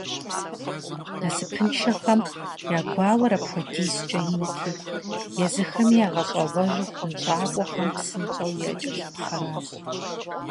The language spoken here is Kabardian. Насыпыншэхэм я гуауэр апхуэдизкӀэ инти, езыхэми ягъэщӀэгъуэжу, хъунщӀакӀуэхэм псынщӀэу якӀэлъыпхъэращ.